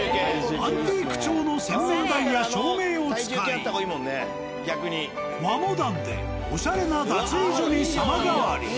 アンティーク調の洗面台や照明を使い和モダンでおしゃれな脱衣所に様変わり。